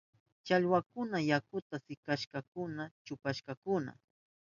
Challwakunaka yakuta sikashpankuna kuchpashkakuna.